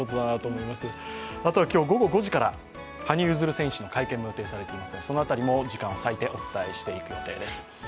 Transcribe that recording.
あとは今日午後５時から羽生結弦選手の会見が予定されていますがその辺りも時間を割いてお伝えしていく予定です。